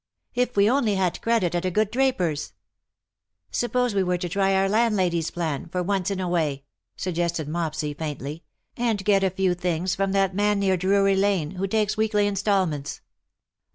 If we only had credit at a good draper^s. "" Suppose we were to try our landlady's plan, for once in a way/"* suggested Mopsy, faintly, " and get a few things from that man near Drury Lane who takes weekly instalments.